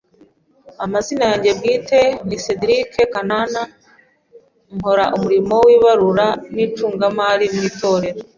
Amazina yanjye bwite ni Cedric KANANA ,nkora umurim o w’ibarura n’icungamari mu itorero